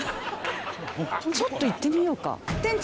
ちょっと行ってみようか。